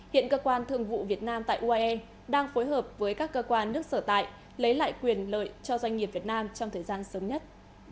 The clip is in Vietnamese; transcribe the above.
hiện cơ quan thường vụ việt nam tại uae đang phối hợp với các cơ quan nước sở tại lấy lại quyền lợi cho doanh nghiệp việt nam trong thời gian sớm nhất